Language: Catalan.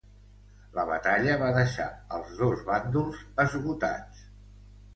La batalla va deixar els dos bàndols esgotats.